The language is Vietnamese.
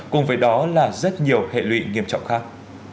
cùng với đó là rất nhiều hệ lụy nghiêm trọng khác